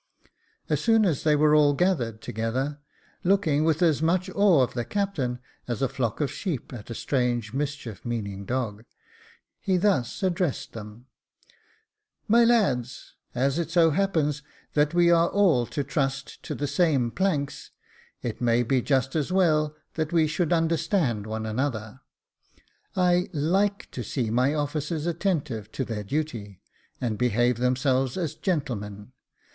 As soon as they were all gathered together, look ing with as much awe of the captain as a flock of sheep at a strange, mischief meaning dog, he thus addressed them :" My lads, as it so happens that we are all to trust to the same planks, it may be just as well that we should understand one another. I /ike to see my officers attentive to their duty, and behave themselves as gentlemen.